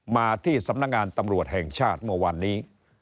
มาที่สำนักงานตำรวจแห่งชาติเมื่อวานนี้